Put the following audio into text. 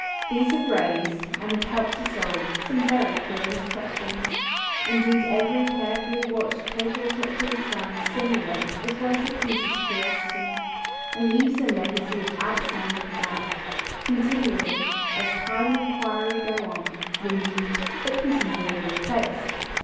These have raised, and have helped to solve, some very curious questions. Indeed, every carefully watched total eclipse of the sun stimulates as well as appeases curiosity, and leaves a legacy of outstanding doubt, continually, as time and inquiry go on, removed, but continually replaced.